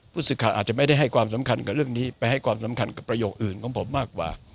ผู้สื่อข่าวอาจจะไม่ได้ให้ความสำคัญกับเรื่องนี้ไปให้ความสำคัญกับประโยคอื่นของผมมากกว่า